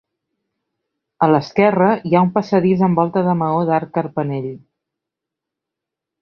A l'esquerra hi ha un passadís amb volta de maó d'arc carpanell.